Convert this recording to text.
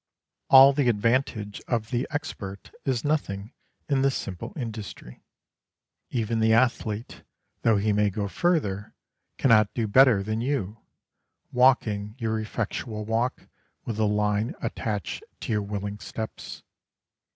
All the advantage of the expert is nothing in this simple industry. Even the athlete, though he may go further, cannot do better than you, walking your effectual walk with the line attached to your willing steps.